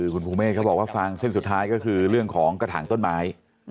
คุณภูเมฆเขาบอกว่าฟังเส้นสุดท้ายก็คือเรื่องของกระถางต้นไม้